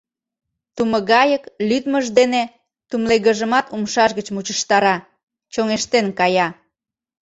Тумыгайык лӱдмыж дене тумлегыжымат умшаж гыч мучыштара, чоҥештен кая.